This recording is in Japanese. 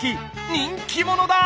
人気者だ！